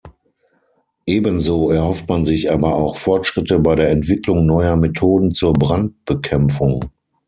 Ebenso erhofft man sich aber auch Fortschritte bei der Entwicklung neuer Methoden zur Brandbekämpfung.